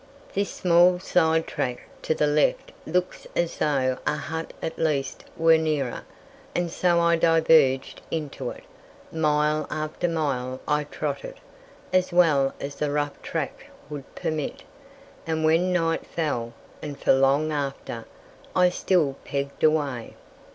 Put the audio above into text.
This small side track to the left looks as though a hut at least were nearer, and so I diverged into it. Mile after mile I trotted, as well as the rough track would permit, and when night fell, and for long after, I still pegged away.